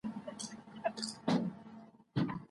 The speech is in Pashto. زه د خپلو غاښونو په پاک ساتلو اخته یم.